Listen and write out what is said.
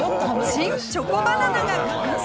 新チョコバナナが完成！